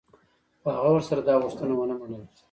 خو هغه ورسره دا غوښتنه و نه منله.